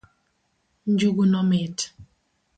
Njuguno mit